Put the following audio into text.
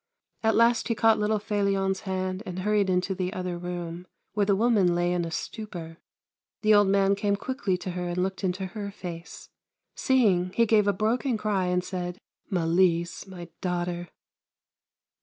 At last he caught little Felion's hand and hurried into the other room, where the woman lay in a stupor. The old man came quickly to her and looked into her face. Seeing, he gave a broken cry and said :" Malise, my daughter